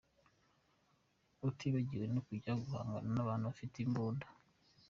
Utibagiwe no kujya guhangana n’abantu bafite imbunda.